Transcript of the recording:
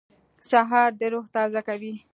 سهار د روح تازه کوي.